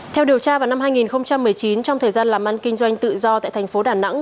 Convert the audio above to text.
theo điều tra vào năm hai nghìn một mươi chín trong thời gian làm ăn kinh doanh tự do tại thành phố đà nẵng